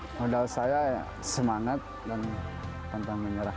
modal saya semangat dan pantang menyerah